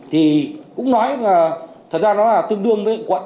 thì cũng nói là thật ra nó là tương đương với